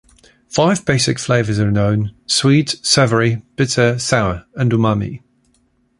Five basic flavors are known: sweet, savory, bitter, sour and umami.